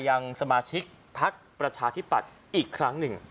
ยังสมาชิกพักประชาธิปัตย์อีกครั้งหนึ่ง